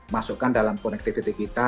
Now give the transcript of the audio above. masukkan dalam konektivitas kita